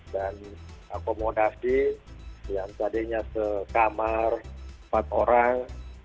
dan akomodasi yang tadinya sekamar empat orang